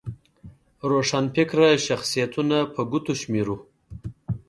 روښانفکره شخصیتونه په ګوتو شمېر وو.